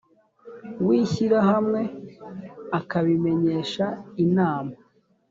w ishyirahamwe akabimenyesha inama